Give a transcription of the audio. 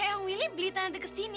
hei yang wili beli tanda kesini